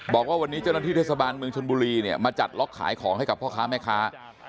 บอกว่าวันนี้เจ้าหน้าที่เทศบาลเมืองชนบุรีเนี่ยมาจัดล็อกขายของให้กับพ่อค้าแม่ค้า